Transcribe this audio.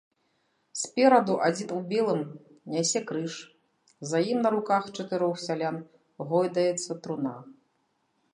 Спераду адзін у белым нясе крыж, за ім на руках чатырох сялян гойдаецца труна.